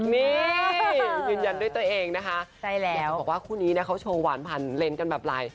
นี่ยืนยันด้วยตัวเองนะคะบอกว่าคู่นี้นะเขาโชว์หวานผ่านเลนส์กันแบบไลน์